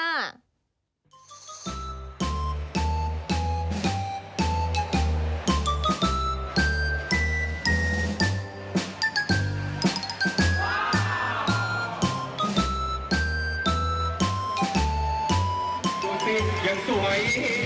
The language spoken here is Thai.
ดูสิยังสวย